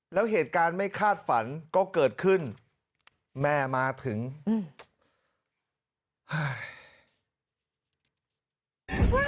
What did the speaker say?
แล้วเหตุการณ์ไม่คาดฝันก็เกิดขึ้นแม่มาถึงอืม